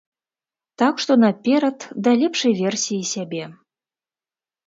Так што наперад, да лепшай версіі сябе!